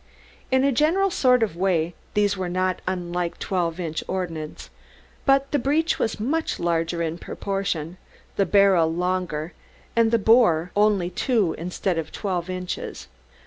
In a general sort of way these were not unlike twelve inch ordnance, but the breech was much larger in proportion, the barrel longer, and the bore only two instead of twelve inches.